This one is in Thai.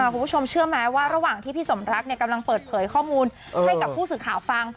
คุณผู้ชมเชื่อไหมว่าระหว่างที่พี่สมรักกำลังเปิดเผยข้อมูลให้กับผู้สื่อข่าวฟัง